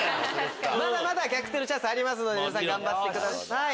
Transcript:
まだまだ逆転のチャンスありますので皆さん頑張ってください。